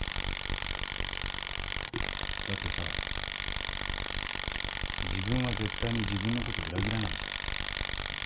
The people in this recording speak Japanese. だってさ自分は絶対に自分のこと裏切らないじゃん。